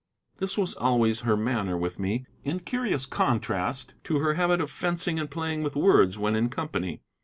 This was always her manner with me, in curious contrast to her habit of fencing and playing with words when in company.